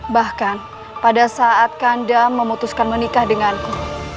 bahkan pada saat kanda memutuskan menikah denganku